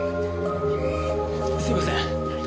すいません。